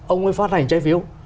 ông ấy phát hành trái phiếu